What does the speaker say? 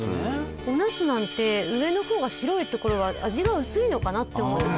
おナスなんて上の方が白いところは味が薄いのかなって思ってた。